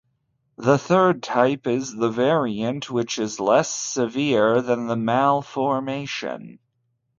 The third type is the variant, which is less severe than the malformation.